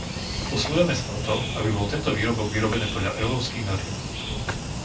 Usilujeme sa o to, aby bol tento výrobok vyrobený podľa európskych noriem.